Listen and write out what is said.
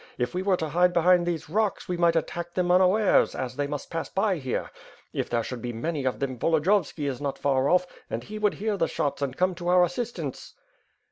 If we were to hide behind these rocks, we might attack them un* awares; as they must pass by here. If there should be many of them, Volodiyovski is not far off and he would hear the shots and come to our assistance."